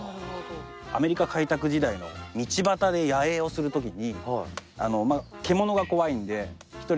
アメリカ開拓時代の道端で野営をする時に。